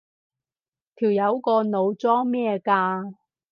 條友個腦裝咩㗎？